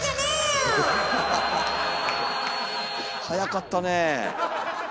早かったねえ。